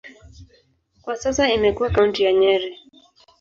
Kwa sasa imekuwa kaunti ya Nyeri.